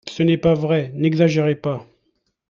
Ce n’est pas vrai, n’exagérez pas